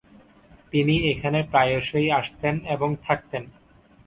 তিনি এখানে প্রায়শই আসতেন এবং থাকতেন।